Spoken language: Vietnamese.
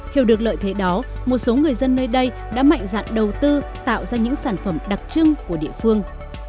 hiểu được lợi thế đó một số người dân nơi đây đã mạnh dạn đầu tư tạo ra những sản phẩm đặc trưng của địa phương